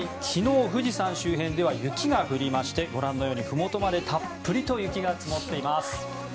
昨日、富士山周辺では雪が降りましてご覧のように、ふもとまでたっぷりと雪が積もっています。